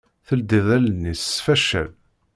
Teldi-d allen-is s faccal.